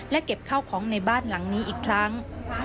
และเก็บข้าวของในบ้านหลังนี้อีกครั้ง